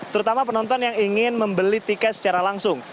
terutama penonton yang ingin membeli tiket secara langsung